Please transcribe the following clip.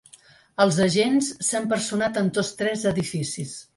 Els agents s’han personat en tots tres edificis.